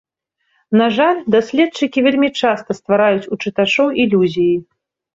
На жаль, даследчыкі вельмі часта ствараюць у чытачоў ілюзіі.